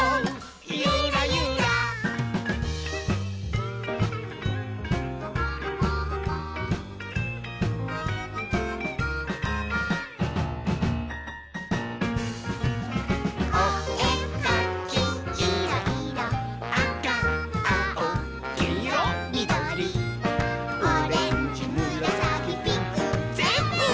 ゆらゆら」「おえかきいろ・いろ」「あかあおきいろみどり」「オレンジむらさきピンクぜんぶ！」